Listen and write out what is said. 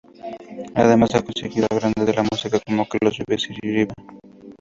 Además ha acogido a grandes de la música como Carlos Vives y Riva.